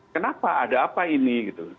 kenapa ada apa ini